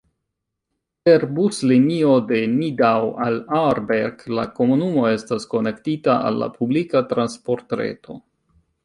Per buslinio de Nidau al Aarberg la komunumo estas konektita al la publika transportreto.